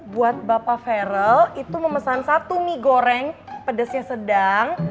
buat bapak veryl itu memesan satu mie goreng pedasnya sedang